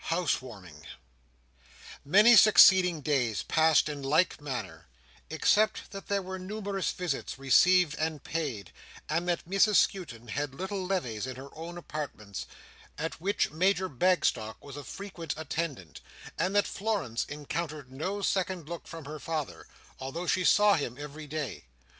Housewarming Many succeeding days passed in like manner; except that there were numerous visits received and paid, and that Mrs Skewton held little levees in her own apartments, at which Major Bagstock was a frequent attendant, and that Florence encountered no second look from her father, although she saw him every day.